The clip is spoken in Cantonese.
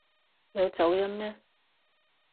有走音咩？